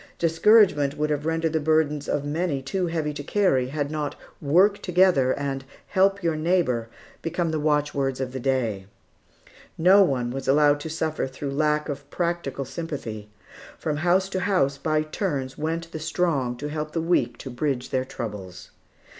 Discouragement would have rendered the burdens of many too heavy to carry, had not "work together," and "help your neighbor," become the watchwords of the day. No one was allowed to suffer through lack of practical sympathy. From house to house, by turns, went the strong to help the weak to bridge their troubles.